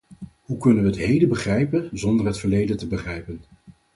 Hoe kunnen we het heden begrijpen zonder het verleden te begrijpen?